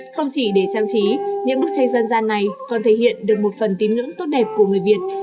không chỉ để trang trí những bức tranh dân gian này còn thể hiện được một phần tín ngưỡng tốt đẹp của người việt